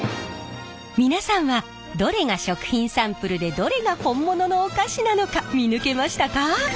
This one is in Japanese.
皆さんはどれが食品サンプルでどれが本物のお菓子なのか見抜けましたか？